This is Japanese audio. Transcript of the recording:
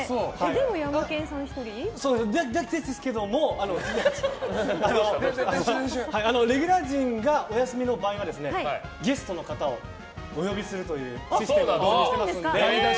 ですけどもレギュラー陣がお休みの場合はゲストの方をお呼びするというシステムを導入してますので。